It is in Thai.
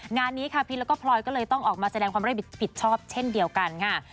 งานนี้ค่ะพีชแล้วก็พลอยก็เลยต้องออกมาแสดงความรับผิดชอบเช่นเดียวกันค่ะ